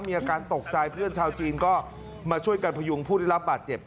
มีอาการตกใจเพื่อนชาวจีนก็มาช่วยกันพยุงผู้ได้รับบาดเจ็บ